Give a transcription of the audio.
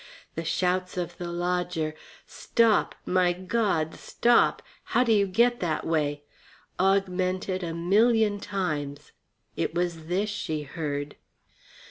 The shouts of the lodger, "Stop my God, stop! How do you get that way?" augmented a million times. It was this she heard.